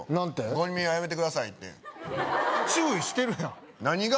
５人目はやめてくださいって注意してるやん何が？